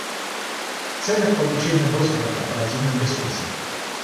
В целях получения доступа к корпоративным ресурсам